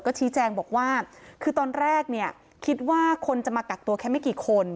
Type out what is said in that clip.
ชี้แจงบอกว่าคือตอนแรกเนี่ยคิดว่าคนจะมากักตัวแค่ไม่กี่คน